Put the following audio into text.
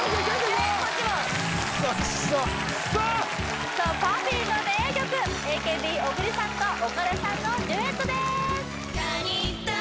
こっちもＰＵＦＦＹの名曲ＡＫＢ・小栗さんと岡田さんのデュエットです